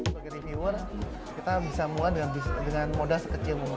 sebagai reviewer kita bisa mulai dengan modal sekecil mungkin